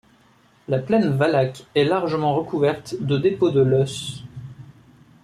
La plaine valaque est largement recouverte de dépôts de lœss.